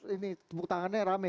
ini tepuk tangannya rame